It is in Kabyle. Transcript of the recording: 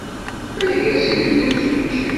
Argaz-inu d imsujji.